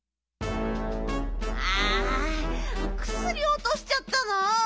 あくすりおとしちゃったの？